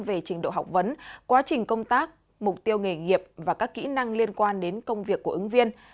về trình độ học vấn quá trình công tác mục tiêu nghề nghiệp và các kỹ năng liên quan đến công việc của ứng viên